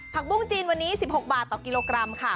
ปุ้งจีนวันนี้๑๖บาทต่อกิโลกรัมค่ะ